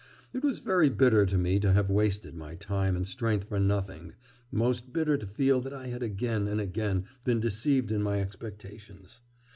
It was very bitter to me to have wasted my time and strength for nothing, most bitter to feel that I had again and again been deceived in my expectations.